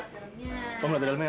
kamu lihat di dalamnya yu